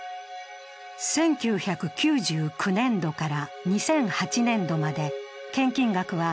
１９９９年度から２００８年度まで献金額は